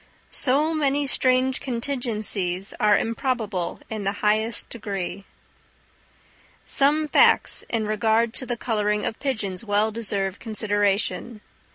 So many strange contingencies are improbable in the highest degree. Some facts in regard to the colouring of pigeons well deserve consideration.